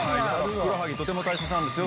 ふくらはぎとても大切なんですよ。